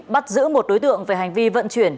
bắt giữ một đối tượng về hành vi vận chuyển